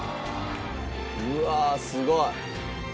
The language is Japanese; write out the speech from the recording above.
うわすごい！